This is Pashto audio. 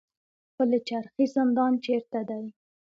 پل چرخي زندان چیرته دی؟